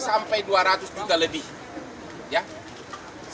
sedangkan sedangkan petra j teaches the most indonesia labinya adalah penjahat plagal